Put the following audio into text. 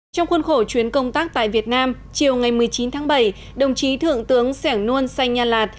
trong khuôn khổ chuyến công tác tại việt nam chiều ngày một mươi chín tháng bảy đồng chí thượng tướng sẻng nuôn sanh nha lạt